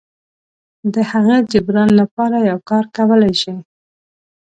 د هغه جبران لپاره یو کار کولی شي.